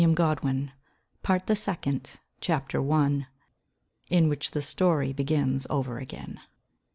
DAMON AND DELIA. PART the SECOND. CHAPTER I. In which the Story begins over again.